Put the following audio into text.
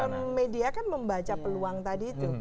nah sosial media kan membaca peluang tadi itu